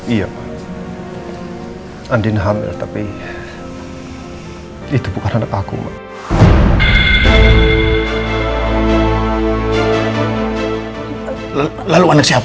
iya andin hamil tapi itu bukan anak aku lalu anak siapa